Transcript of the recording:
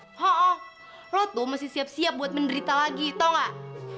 iya lo tuh masih siap siap buat menderita lagi tau gak